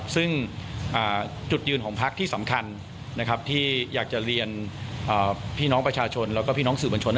ซึ่งจุดยืนของพักที่สำคัญที่อยากจะเรียนพี่น้องประชาชนแล้วก็พี่น้องสื่อบัญชน